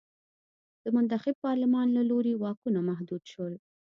د منتخب پارلمان له لوري واکونه محدود شول.